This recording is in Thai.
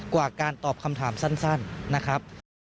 กว่าการตอบคำถามสั้นนะครับ